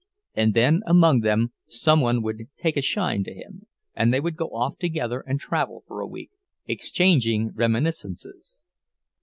And then among them some one would "take a shine" to him, and they would go off together and travel for a week, exchanging reminiscences.